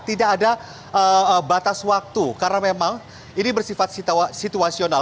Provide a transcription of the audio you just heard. tidak ada batas waktu karena memang ini bersifat situasional